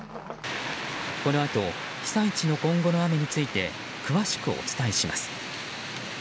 このあと被災地の今後の雨について詳しくお伝えします。